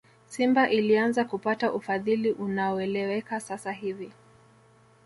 simba ilianza kupata ufadhili unaoeleweka sasa hivi